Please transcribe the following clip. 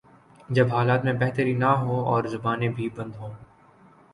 جب حالات میں بہتری نہ ہو اور زبانیں بھی بند ہوں۔